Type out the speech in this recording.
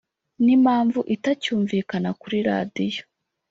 n’impamvu atacyumvikana kuri radiyo